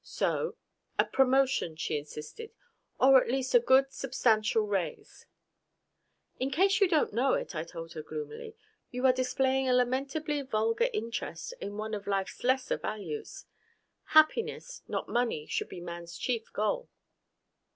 So: "A promotion," she insisted. "Or at least a good, substantial raise." "In case you don't know it," I told her gloomily, "you are displaying a lamentably vulgar interest in one of life's lesser values. Happiness, not money, should be man's chief goal."